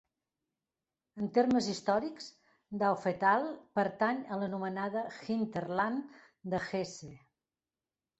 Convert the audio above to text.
En termes històrics, Dautphetal pertany a l'anomenada Hinterland de Hesse.